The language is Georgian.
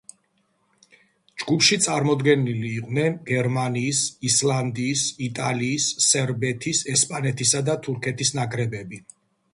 ჯგუფში წარმოდგენილნი იყვნენ გერმანიის, ისლანდიის, იტალიის, სერბეთის, ესპანეთის და თურქეთის ნაკრებები.